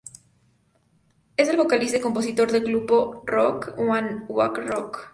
Es el vocalista y compositor del grupo de j-rock One Ok Rock.